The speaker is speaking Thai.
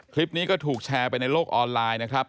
คลิปนี้ก็ถูกแชร์ไปในโลกออนไลน์นะครับ